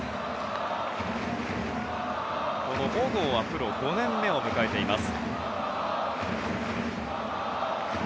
この小郷はプロ５年目を迎えています。